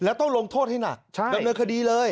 และต้องลงโทษให้หนักเหมือนบรรคดีเลย